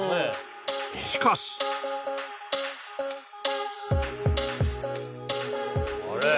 しかしあれ？